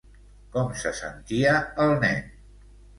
Com se sentia el nen?